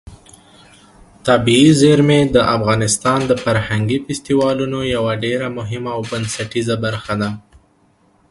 طبیعي زیرمې د افغانستان د فرهنګي فستیوالونو یوه ډېره مهمه او بنسټیزه برخه ده.